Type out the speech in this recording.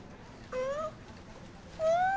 うん！